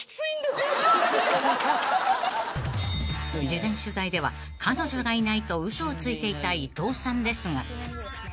［事前取材では彼女がいないと嘘をついていた伊藤さんですが］